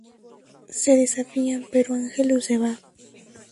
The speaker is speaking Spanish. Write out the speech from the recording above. Se desafían pero Angelus se va.